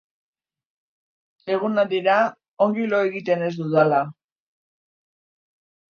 Egunak dira ongi lo egiten ez dudala.